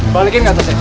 balikin ke atas ya